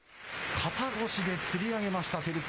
肩越しでつり上げました、照強。